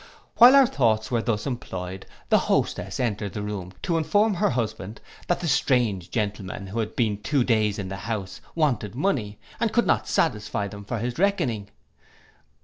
While our thoughts were thus employed, the hostess entered the room to inform her husband, that the strange gentleman, who had been two days in the house, wanted money, and could not satisfy them for his reckoning.